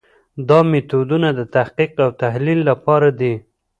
دا میتودونه د تحقیق او تحلیل لپاره دي.